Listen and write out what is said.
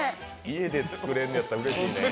家で作れるんやったらうれしいね。